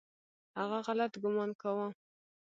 هغه غلط ګومان کاوه .